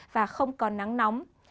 và không còn nắng nóng